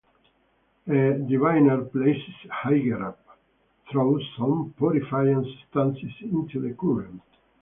A diviner, placed higher up, throws some purifying substances into the current.